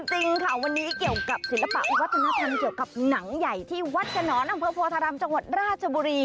จริงค่ะวันนี้เกี่ยวกับศิลปะวัฒนธรรมเกี่ยวกับหนังใหญ่ที่วัดขนอนอำเภอโพธารามจังหวัดราชบุรี